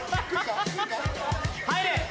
・入れ！